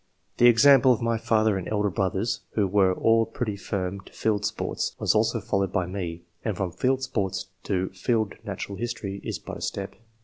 The example of my father and elder brothers, who wore all pretty firm to field sports, was also followed by me, and fi om field sports to field natural history is but a step.